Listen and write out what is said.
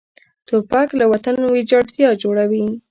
توپک له وطن ویجاړتیا جوړوي.